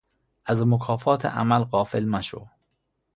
از مکافات عمل غافل مشو